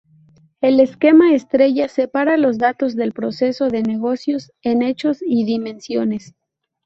El esquema estrella separa los datos del proceso de negocios en: hechos y dimensiones.